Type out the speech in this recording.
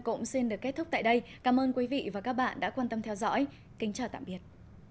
cũng xin được kết thúc tại đây cảm ơn quý vị và các bạn đã quan tâm theo dõi kính chào tạm biệt